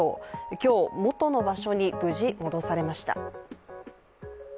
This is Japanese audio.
今日、元の場所に無事、戻されました。